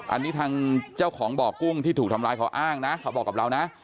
อันนี้ทางเจ้าของบ่อกุ้งที่ถูกทำร้ายเขาอ้างนะเขาบอกกับเรานะ